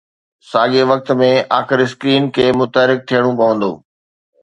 ساڳئي وقت ۾، آخر اسڪرين کي متحرڪ ٿيڻو پوندو.